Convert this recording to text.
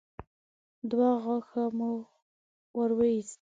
دوه غاښه مو ور وايستل.